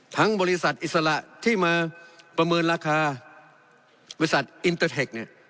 บริษัทอิสระที่มาประเมินราคาบริษัทอินเตอร์เทคเนี่ย